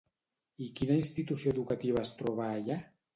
I quina institució educativa es troba allà?